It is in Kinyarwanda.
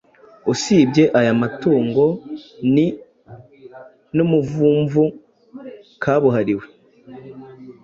Usibye aya matungo, ni n’umuvumvu kabuhariwe.